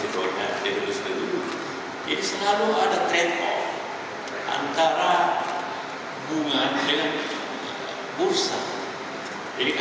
artinya mau ini suatu situasi dunia ini